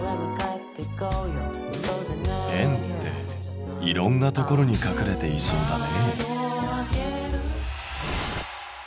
円っていろんなところに隠れていそうだね。